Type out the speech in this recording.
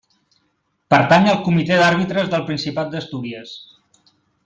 Pertany al Comitè d'Àrbitres del Principat d'Astúries.